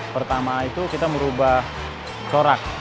pertama itu kita merubah corak